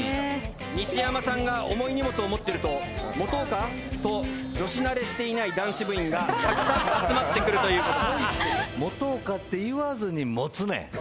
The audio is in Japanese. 西山さんが重い荷物を持っていると「持とうか？」と女子慣れしていない男子部員がたくさん集まってくるという事です。